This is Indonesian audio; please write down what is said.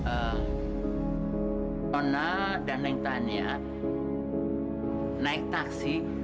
oona dan neng tania naik taksi